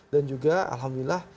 dan juga alhamdulillah